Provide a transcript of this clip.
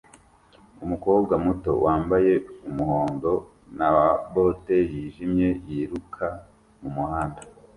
Umukobwa muto wambaye umuhondo na bote yijimye yiruka mumuhanda